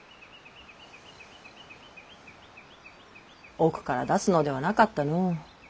奥から出すのではなかったの。